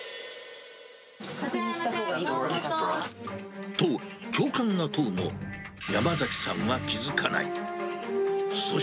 確認したほうがいいところはと、教官が問うも、山崎さんは気付かない。